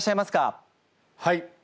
はい。